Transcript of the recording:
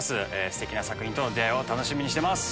ステキな作品との出合いを楽しみにしてます。